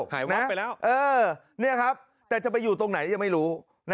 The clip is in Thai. หายวัดไปแล้วนี่ครับแต่จะไปอยู่ตรงไหนยังไม่รู้